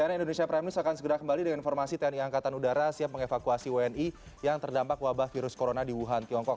cnn indonesia prime news akan segera kembali dengan informasi tni angkatan udara siap mengevakuasi wni yang terdampak wabah virus corona di wuhan tiongkok